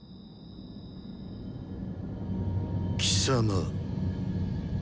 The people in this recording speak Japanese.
貴様。